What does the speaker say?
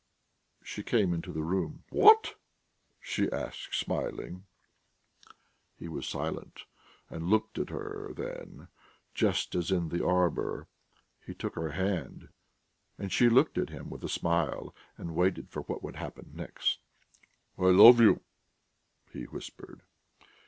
She came into the room. "What?" she asked, smiling. He was silent and looked at her, then, just as in the arbour, he took her hand, and she looked at him with a smile and waited for what would happen next. "I love you," he whispered.